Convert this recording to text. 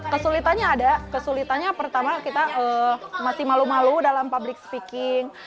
kesulitannya ada kesulitannya pertama kita masih malu malu dalam public speaking